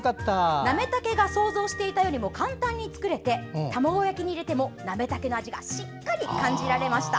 なめたけが想像していたよりも簡単に作れて卵焼きに入れてもなめたけの味がしっかり感じられました。